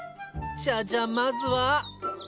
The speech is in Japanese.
じゃあじゃあまずは。